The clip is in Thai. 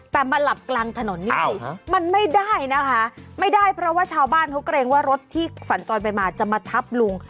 แต่มาหลับกลางถนนนี่มันไม่ได้นะคะไม่ได้เพราะว่าชาวบ้านเขาเกรงว่ารถที่สัญจรไปมาจะมาทับลุง